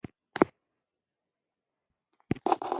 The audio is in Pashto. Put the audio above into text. د سقراط ملګریو ورته د فرار وویل.